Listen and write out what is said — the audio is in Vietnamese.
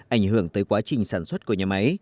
ảnh hưởng tới quá trình sản xuất của nhà máy